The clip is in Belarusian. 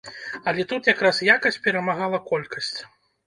Але тут якраз якасць перамагала колькасць.